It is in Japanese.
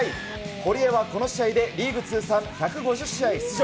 堀江はこの試合で、リーグ通算１５０試合出場。